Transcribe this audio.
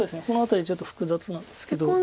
この辺りちょっと複雑なんですけど。